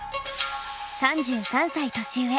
３３歳年上。